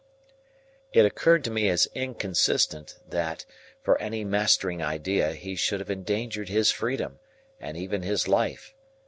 It occurred to me as inconsistent, that, for any mastering idea, he should have endangered his freedom, and even his life.